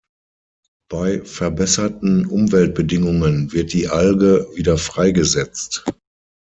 Bei verbesserten Umweltbedingungen wird die Alge wieder freigesetzt.